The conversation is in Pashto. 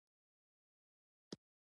نړۍ هیڅ یو نظام ورسره سیالي نه شوه کولای.